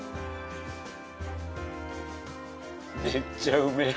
めっちゃうめえ。